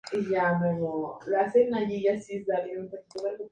Se presentó como una producción de Chaco Film.